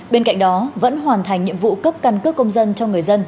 bên cạnh đó vẫn hoàn thành nhiệm vụ cấp căn cước công dân cho người dân